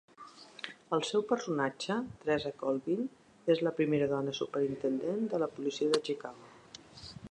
El seu personatge, Teresa Colvin, és la primera dona superintendent de la policia de Chicago.